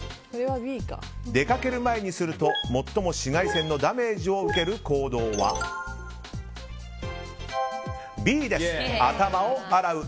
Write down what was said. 出かける前にすると、最も紫外線のダメージを受ける行動はＢです、頭を洗う。